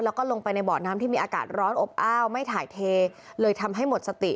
แล้วก็ลงไปในบ่อน้ำที่มีอากาศร้อนอบอ้าวไม่ถ่ายเทเลยทำให้หมดสติ